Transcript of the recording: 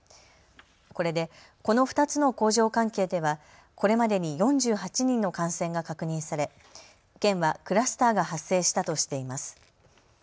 これで、この２つの工場関係ではこれまでに４８人の感染が確認され県はクラスターが発生したとしています。